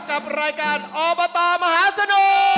กับรายการเอาโบต่อมหาสะน